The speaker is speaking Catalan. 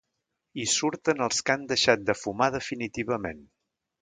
Hi surten els que han deixat de fumar definitivament.